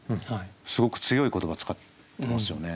すごく強い言葉使ってますよね。